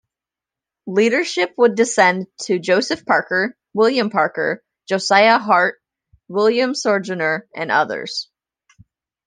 Leadership would descend to Joseph Parker, William Parker, Josiah Hart, William Sojourner and others.